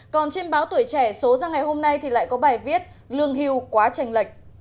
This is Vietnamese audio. còn trên báo tuổi trẻ số ra ngày hôm nay thì lại có bài viết lương hưu quá trình lệch